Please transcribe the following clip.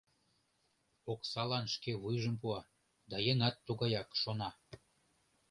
Оксалан шке вуйжым пуа, да еҥат тугаяк, шона...